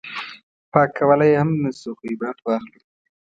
پاک کولی یې هم نه شو خو عبرت واخلو.